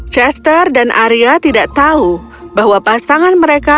chester dan arya tidak tahu bahwa pasangan mereka